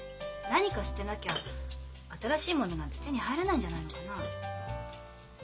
何か捨てなきゃ新しいものなんて手に入らないんじゃないのかなあ。